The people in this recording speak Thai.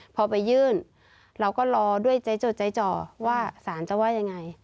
พอไปยื่นเราก็รอด้วยใจจดใจจ่อว่าสารจะว่ายังไง